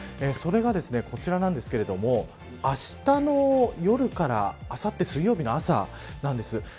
それが、こちらなんですがあしたの夜からあさって、水曜日の朝なんです。